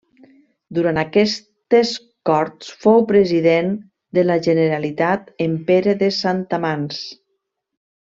Durant aquestes Corts fou President de la Generalitat en Pere de Santamans.